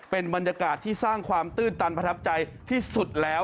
เป็นบรรยากาศที่สร้างความตื้นตันประทับใจที่สุดแล้ว